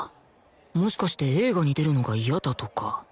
もしかして映画に出るのが嫌だとか